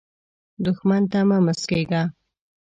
دښمن ته مه مسکېږه